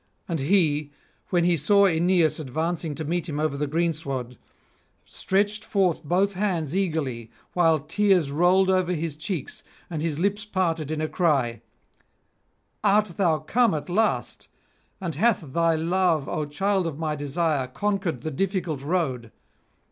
And he, when he saw Aeneas advancing to meet him over the greensward, stretched forth both hands eagerly, while tears rolled over his cheeks, and his lips parted in a cry: 'Art thou come at last, and hath thy love, O child of my desire, conquered the difficult road?